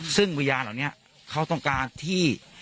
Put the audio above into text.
ซึ่งวิญญาณเหล่านี้เขาต้องการที่